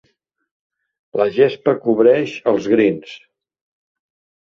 La gespa cobreix els 'greens'.